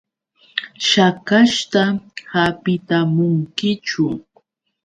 ¿Shakashta hapitamunkichu?